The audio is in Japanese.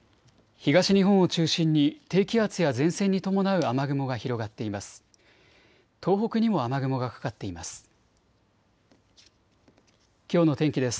東日本を中心に低気圧や前線に伴う雨雲が広がっています。